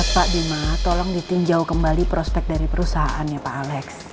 pak bima tolong ditinjau kembali prospek dari perusahaan ya pak alex